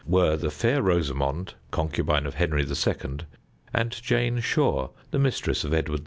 were the Fair Rosamond, concubine of Henry II., and Jane Shore, the mistress of Edward IV.